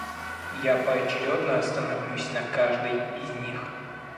Я поочередно остановлюсь на каждой из них.